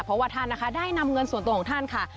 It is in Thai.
เพราะว่าท่านนะคะได้นำเงินส่วนตัวของท่านค่ะ